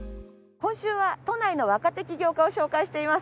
今週は都内の若手起業家を紹介しています。